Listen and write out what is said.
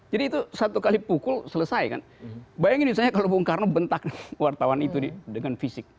jadi itu satu kali pukul selesai kan bayangin misalnya kalau bung karno bentak wartawan itu dengan fisik